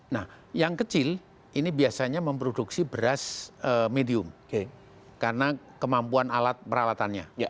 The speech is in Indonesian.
nah yang kecil ini biasanya memproduksi beras medium karena kemampuan alat perawatannya